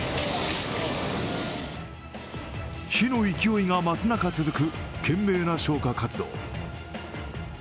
火の勢いが増す中続く懸命な消火活動。